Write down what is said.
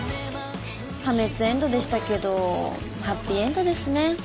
破滅エンドでしたけどハッピーエンドですね。